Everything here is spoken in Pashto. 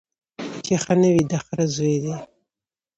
چي ښه نه وي د خره زوی دی